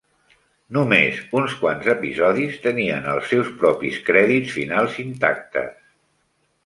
Només uns quants episodis tenien els seus propis crèdits finals intactes.